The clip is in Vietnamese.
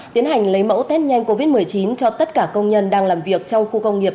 tiến hành lấy mẫu test nhanh covid một mươi chín cho tất cả công nhân đang làm việc trong khu công nghiệp